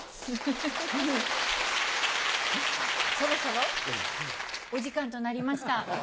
そろそろお時間となりました。